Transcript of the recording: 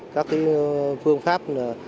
các phương pháp